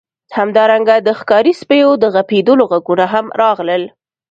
همدارنګه د ښکاري سپیو د غپیدلو غږونه هم راغلل